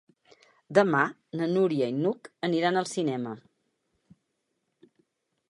Demà na Núria i n'Hug aniran al cinema.